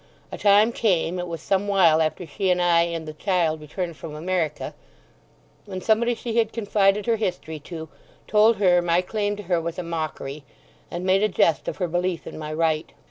A time came—it was some while after she and I and the child returned from America—when somebody she had confided her history to, told her my claim to her was a mockery, and made a jest of her belief in my right.